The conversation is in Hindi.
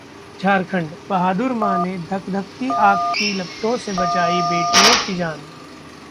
झारखंड: बहादुर मां ने धधकती आग की लपटों से बचाई बेटियों की जान